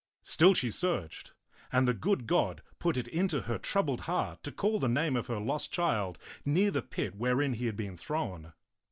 Still she searched, and the good God put it into her troubled heart to call the name of her lost child near the pit wherein he had been thrown.